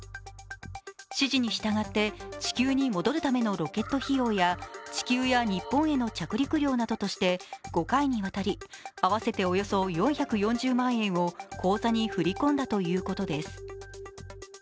指示に従って地球に戻るためのロケット費用や地球や日本への着陸料などとして５回にわたり合わせておよそ４４０万円を口座に振り込んだということです。